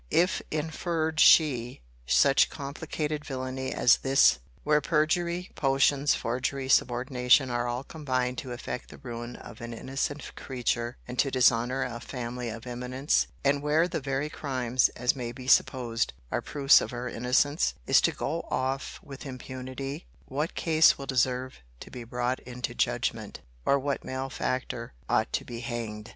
If, inferred she, such complicated villany as this (where perjury, potions, forgery, subornation, are all combined to effect the ruin of an innocent creature, and to dishonour a family of eminence, and where the very crimes, as may be supposed, are proofs of her innocence) is to go off with impunity, what case will deserve to be brought into judgment? or what malefactor ought to be hanged?